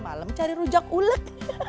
malem cari rujak ulek